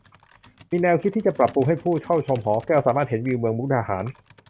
มีแนวคิดที่จะปรับปรุงให้ผู้เข้าชมหอแก้วสามารถเห็นวิวเมืองมุกดาหาร